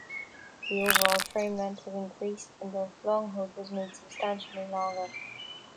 The overall frame length was increased, and the long hood was made substantially longer.